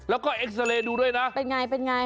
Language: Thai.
แล้วก็เอ็กซาเรย์ดูด้วยนะเป็นไงเป็นไง